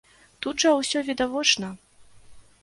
Тут жа ўсё відавочна.